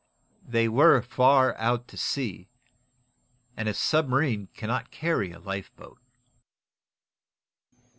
They were far out to sea, and a submarine cannot carry a lifeboat!